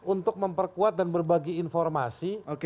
untuk memperkuat dan berbagi informasi